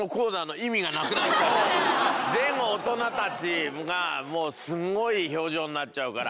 全大人たちがもうすんごい表情になっちゃうから。